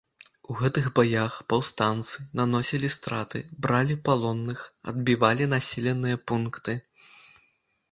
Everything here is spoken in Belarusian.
У гэтых баях паўстанцы наносілі страты, бралі палонных, адбівалі населеныя пункты.